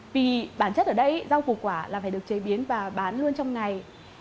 vì bản chất ở đây rau củ quả là phải được chế biến và bán luôn trong ngày